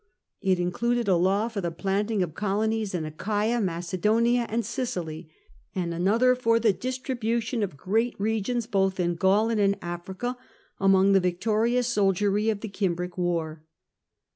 It included a law for the planting of colonies in Achaia, Macedonia, and Sicily, and another for the distribution of great regions both in Gaul and in Africa among the victorious soldiery of the Cimbric war.